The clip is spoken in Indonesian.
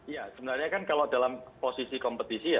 ya sebenarnya kan kalau dalam posisi kompetisi ya